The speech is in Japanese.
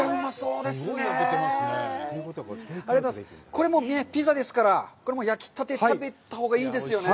これ、ピザですから、これ、焼きたて食べたほうがいいですよね。